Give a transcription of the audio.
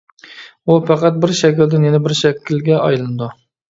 ئۇ پەقەت بىر شەكىلدىن يەنە بىر شەكىلگە ئايلىنىدۇ.